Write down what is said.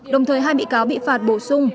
đồng thời hai bị cáo bị phạt bổ sung